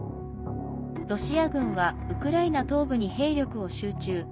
ロシア軍はウクライナ東部に兵力を集中。